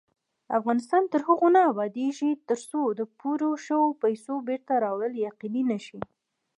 افغانستان تر هغو نه ابادیږي، ترڅو د پورې شوو پیسو بېرته راوړل یقیني نشي.